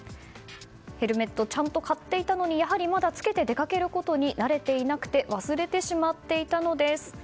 ヘルメットちゃんと買っていたのにやはりまだ着けて出かけることに慣れていなくて忘れてしまっていたのです。